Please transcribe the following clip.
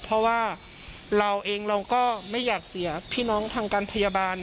เพราะว่าเราเองเราก็ไม่อยากเสียพี่น้องทางการพยาบาล